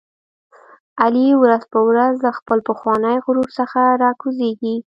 علي ورځ په ورځ له خپل پخواني غرور څخه را کوزېږي.